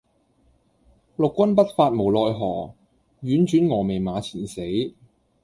六軍不發無奈何，宛轉蛾眉馬前死。